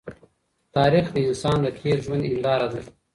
تاریخ د انسانانو د تېر ژوند هنداره ده.